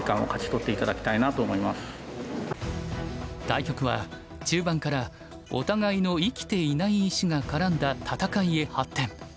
対局は中盤からお互いの生きていない石が絡んだ戦いへ発展。